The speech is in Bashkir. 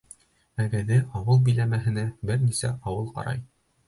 Егәҙе ауыл биләмәһенә бер нисә ауыл ҡарай.